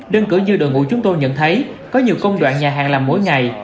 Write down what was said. đơn cử như đội ngũ chúng tôi nhận thấy có nhiều công đoạn nhà hàng làm mỗi ngày